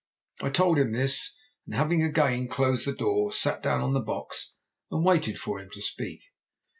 I told him this, and having again closed the door, sat down on the box and waited for him to speak.